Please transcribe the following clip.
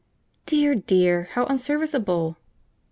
"Dear, dear! how unserviceable!"